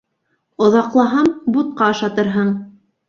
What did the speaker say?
Оҙаҡлаһам, бутҡа ашатырһың...